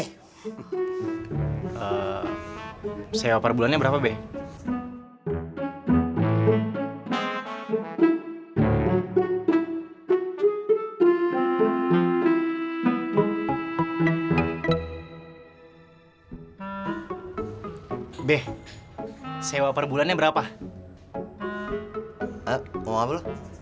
sewa perbulannya berapa beh